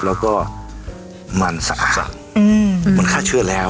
แล้วก็มันสะสรรมันฆ่าเชื้อแล้ว